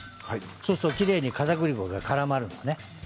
そうするときれいにかたくり粉がからまるまで。